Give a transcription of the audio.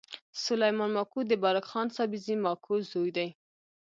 سلیمان ماکو د بارک خان سابزي ماکو زوی دﺉ.